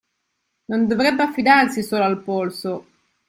Non dovrebbe affidarsi solo al polso.